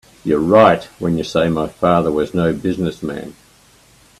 You're right when you say my father was no business man.